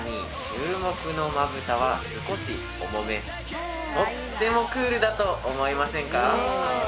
注目のまぶたは少し重めとってもクールだと思いませんか？